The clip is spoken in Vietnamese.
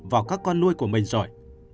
vào các con nuôi của mình rồi